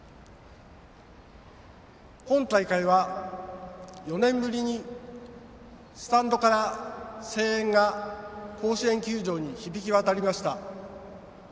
本大会は、４年ぶりにスタンドから声援が甲子園球場に響き渡りました。